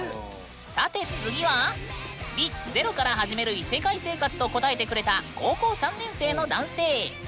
さて次の紹介は「Ｒｅ：ゼロから始める異世界生活」と答えてくれた高校３年生の男性。